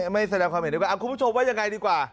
ไม่แสดงความเห็นดีกว่าคุณผู้ชมว่ายังไงดีกว่า